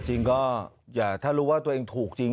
จริงก็ถ้ารู้ว่าตัวเองถูกจริง